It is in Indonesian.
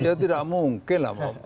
ya tidak mungkin lah